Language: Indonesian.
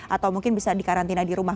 atau mungkin bisa di karantina di rumah